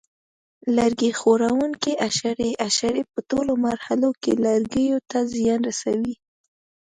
لرګي خوړونکي حشرې: حشرې په ټولو مرحلو کې لرګیو ته زیان رسوي.